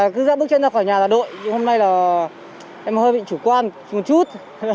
cứ ra bước chân ra khỏi nhà là đội thì hôm nay là em hơi bị chủ quan một chút